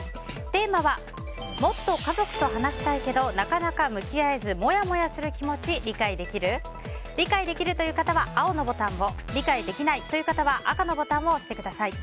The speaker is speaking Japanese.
テーマは、もっと家族と話したいけどなかなか向き合えずモヤモヤする気持ち理解できる？理解できるという方は青のボタンを理解できないという方は赤のボタンを押してください。